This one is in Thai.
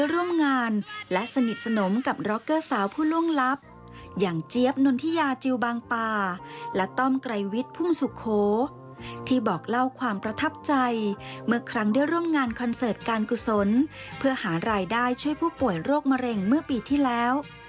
ร่วมงานและสนิทสนมกับร็อกเกอร์สาวผู้ล่วงลับอย่างเจี๊ยบนนทิยาจิลบางป่าและต้อมไกรวิทย์พุ่งสุโขที่บอกเล่าความประทับใจเมื่อครั้งได้ร่วมงานคอนเสิร์ตการกุศลเพื่อหารายได้ช่วยผู้ป่วยโรคมะเร็งเมื่อปีที่แล้ว